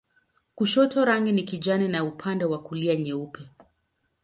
Kushoto rangi ni kijani na upande wa kulia nyeupe.